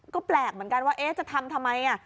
ก็แปลกเหมือนกันว่าจะทำทำไม